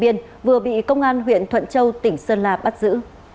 hai đối tượng trú tại huyện biên vừa bị công an huyện thuận châu tỉnh sơn la bắt giữ